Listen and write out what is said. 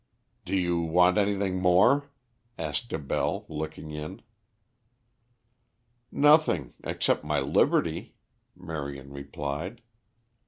"Do you want anything more?" asked Abell, looking in. "Nothing, except my liberty," Marion replied.